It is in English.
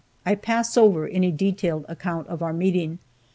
I pass over any detailed account of our meeting.